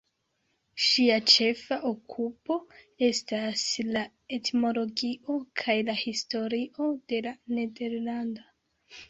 Ŝia ĉefa okupo estas la etimologio kaj la historio de la nederlanda.